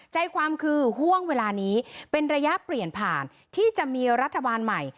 ใจความคือห่วงเวลานี้เป็นระยะเปลี่ยนผ่านที่จะมีรัฐบาลใหม่